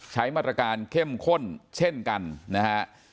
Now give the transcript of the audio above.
ใช้มาตรการเข้มข้นเช่นกันนะฮะ